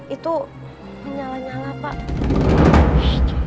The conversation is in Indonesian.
itu menyala nyala pak